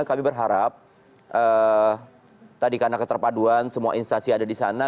kami berharap tadi karena keterpaduan semua instansi ada di sana